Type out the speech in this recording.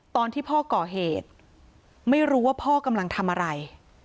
ตอนที่พ่อก่อเหตุไม่รู้ว่าพ่อกำลังทำอะไร